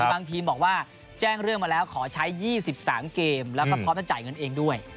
บางทีมบอกว่าแจ้งเรื่องมาแล้วขอใช้๒๓เกมแล้วก็พร้อมจะจ่ายเงินเองด้วย